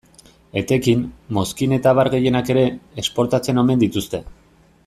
Etekin, mozkin eta abar gehienak ere, esportatzen omen dituzte.